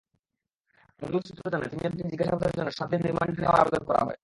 আদালত সূত্র জানায়, তিনজনকে জিজ্ঞাসাবাদের জন্য সাত দিন রিমান্ডে নেওয়ার আবেদন করা হয়।